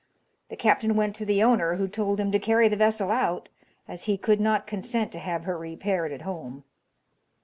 The captain went to the owner, who told him to carry the vessel out, as he could not consent to have her repaired at home.